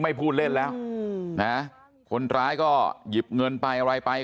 พูดเล่นแล้วนะคนร้ายก็หยิบเงินไปอะไรไป